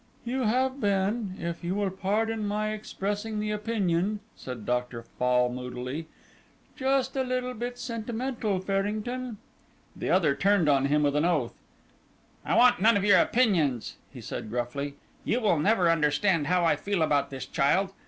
"You have been, if you will pardon my expressing the opinion," said Dr. Fall moodily, "just a little bit sentimental, Farrington." The other turned on him with an oath. "I want none of your opinions," he said gruffly. "You will never understand how I feel about this child.